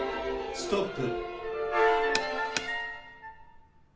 ストップ。